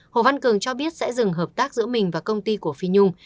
hồ văn cường cho biết sẽ dừng hợp tác giữa mình và công ty của phi nhung